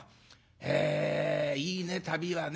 えいいね旅はね。